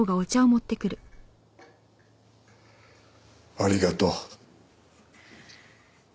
ありがとう。